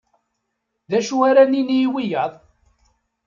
D acu ara nini i wiyaḍ